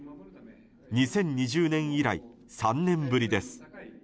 ２０２０年以来３年ぶりです。